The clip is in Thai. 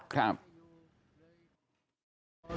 ครับ